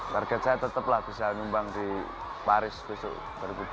target saya tetap lah bisa menyumbang di paris besok dua ribu dua puluh empat itu